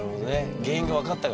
原因が分かったからね。